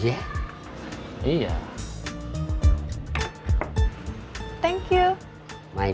dirinya merupakan pembedahan